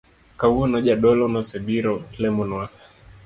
Kawuono Jadolo nosebiro lemonwa